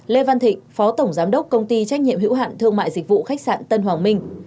lê văn thịnh phó tổng giám đốc công ty trách nhiệm hữu hạn thương mại dịch vụ khách sạn tân hoàng minh